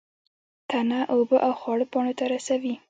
تنه اوبه او خواړه پاڼو ته رسوي